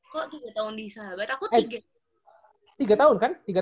kok tiga tahun di sahabat aku tiga